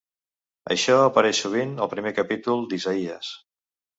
Això apareix sovint al primer capítol d'Isaïes.